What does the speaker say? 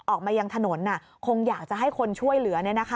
ออกมายังถนนคงอยากจะให้คนช่วยเหลือ